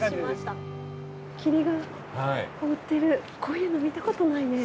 霧が覆ってるこういうの見たことないね。